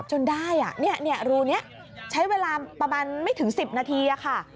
จนได้รูนี้ใช้เวลาประมาณไม่ถึง๑๐นาทีค่ะ